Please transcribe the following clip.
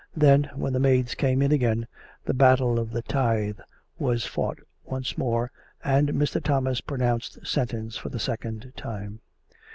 Then, when the maids came in again, the battle of the tithe was fought once more, and Mr. Thomas pronounced sentence for the second time.